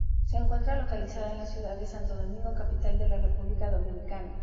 Se encuentra localizada en la ciudad de Santo Domingo, capital de la República Dominicana.